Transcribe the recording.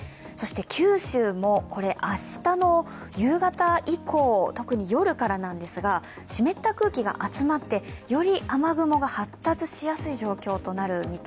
九州も明日の夕方以降、特に夜からなんですが湿った空気が集まってより雨雲が発達しやすい状況です。